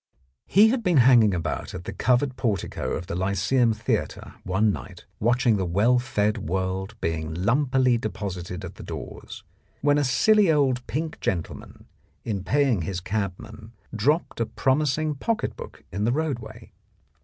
He had been hanging about at the covered portico of the Lyceum Theatre one night watching the well fed world being lumpily deposited at the doors, when a silly old pink gentleman, in paying his cabman, dropped a promis ing pocket book in the roadway.